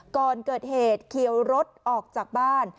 ก่อนเกิดเหตุเขียวรถออกจากบ้าน